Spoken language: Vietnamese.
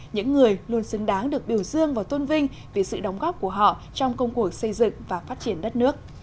những người luôn xứng đáng được biểu dương và tôn vinh vì sự đóng góp của họ trong công cuộc xây dựng và phát triển đất nước